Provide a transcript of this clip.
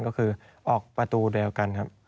ก็คือออกประตูเดียวกันครับ